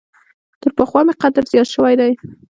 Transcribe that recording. تر پخوا مي قدر زیات شوی دی .